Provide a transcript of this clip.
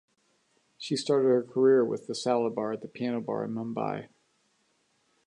She started her career with the Salad Bar at the Piano Bar in Mumbai.